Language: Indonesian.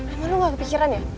emang lo gak kepikiran ya